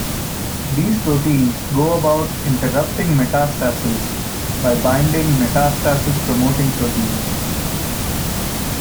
These proteins go about interrupting metastasis by binding metastasis-promoting proteins.